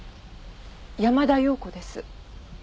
山田洋子です。